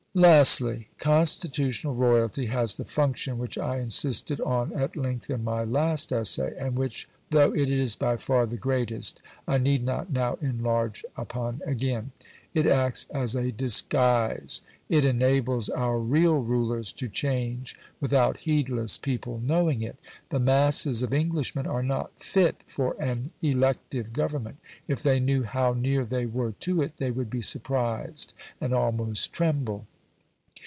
Lastly, constitutional royalty has the function which I insisted on at length in my last essay, and which, though it is by far the greatest, I need not now enlarge upon again. It acts as a DISGUISE. It enables our real rulers to change without heedless people knowing it. The masses of Englishmen are not fit for an elective government; if they knew how near they were to it, they would be surprised, and almost tremble.